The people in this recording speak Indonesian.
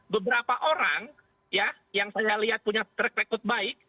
beberapa orang ya yang saya lihat punya track record baik